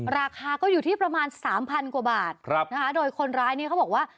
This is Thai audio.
ราคาก็อยู่ที่๓๐๐๐กว่าบาทโดยคนร้ายเขาบอกว่า